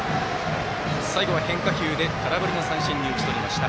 最後は変化球で空振りの三振に打ち取りました。